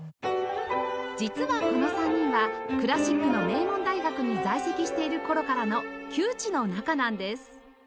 実はこの３人はクラシックの名門大学に在籍している頃からの旧知の仲なんです